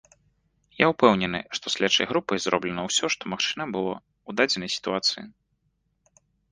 Я ўпэўнены, што следчай групай зроблена ўсё, што магчыма было ў дадзенай сітуацыі.